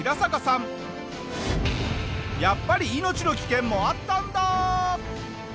やっぱり命の危険もあったんだ！